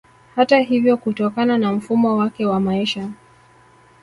Hata hivyo kutokana na mfumo wake wa maisha